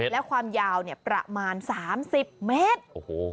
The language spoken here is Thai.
และความยาวประมาณ๓๐เมตร